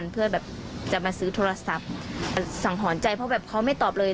เพื่อแบบจะมาซื้อโทรศัพท์สังหรณ์ใจเพราะแบบเขาไม่ตอบเลย